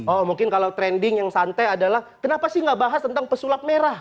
oh mungkin kalau trending yang santai adalah kenapa sih gak bahas tentang pesulap merah